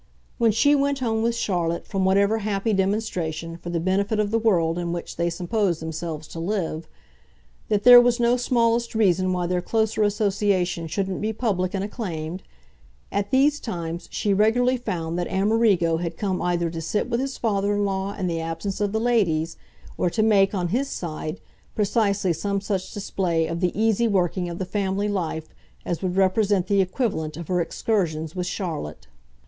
When she went home with Charlotte, from whatever happy demonstration, for the benefit of the world in which they supposed themselves to live, that there was no smallest reason why their closer association shouldn't be public and acclaimed at these times she regularly found that Amerigo had come either to sit with his father in law in the absence of the ladies, or to make, on his side, precisely some such display of the easy working of the family life as would represent the equivalent of her excursions with Charlotte.